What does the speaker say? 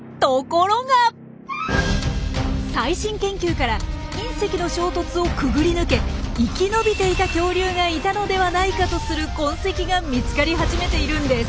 最新研究から隕石の衝突をくぐり抜け生き延びていた恐竜がいたのではないかとする痕跡が見つかり始めているんです。